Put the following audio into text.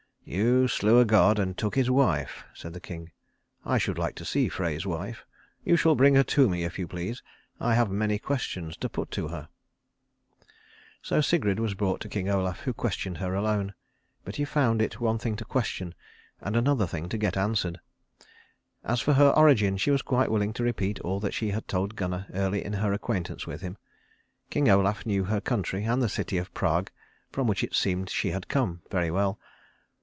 "You slew a god and took his wife," said the king. "I should like to see Frey's wife. You shall bring her to me, if you please. I have many questions to put to her." So Sigrid was brought to King Olaf, who questioned her alone. But he found it one thing to question and another thing to get answered. As for her origin she was quite willing to repeat all that she had told Gunnar early in her acquaintance with him. King Olaf knew her country and the city of Prag, from which it seemed she had come, very well.